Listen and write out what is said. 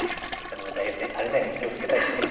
でも大逆転されないように気を付けたいですね。